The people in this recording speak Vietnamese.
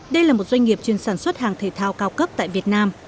đây là một doanh nghiệp chuyên sản xuất hàng thể thao cao cấp tại việt nam